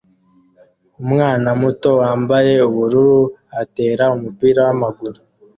Umwana muto wambaye ubururu atera umupira wamaguru